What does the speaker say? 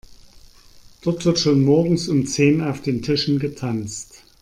Dort wird schon morgens um zehn auf den Tischen getanzt.